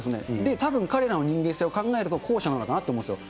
たぶん彼らの人間性を考えると、後者なのかなと思うんですよ。